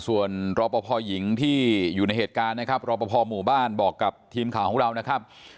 ส่วนรอปภหญิงที่อยู่ในเหตุการณ์นะครับรอปภหมู่บ้านบอกกับทีมข่าวของเรานะครับ